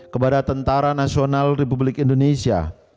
kepada tentara nasional republik indonesia